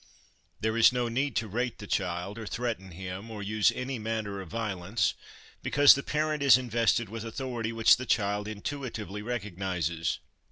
There is no need to rate the child, or threaten him, or use any manner ot violence, because the parent is invested with authority which the child intuitively recognises.